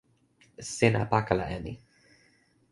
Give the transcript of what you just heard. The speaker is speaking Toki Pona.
sina pakala e mi.